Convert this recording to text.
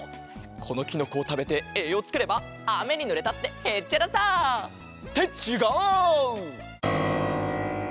このきのこをたべてえいようつければあめにぬれたってへっちゃらさ！ってちがう！